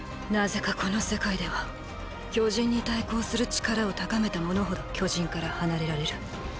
なぜかこの世界では巨人に対抗する力を高めた者ほど巨人から離れられる。